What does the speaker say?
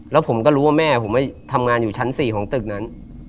แล้วผมก็รู้ว่าแม่ผมทำงานอยู่ชั้น๔ของตึกนั้น